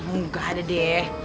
enggak ada deh